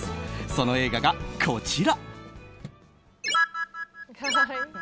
その映画が、こちら。